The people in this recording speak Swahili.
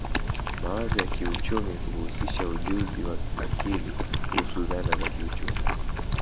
Mawazo ya kiuchumi huhusisha ujuzi wa akili kuhusu dhana za kiuchumi